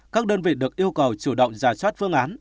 các đơn vị được yêu cầu chủ động ra chót phương án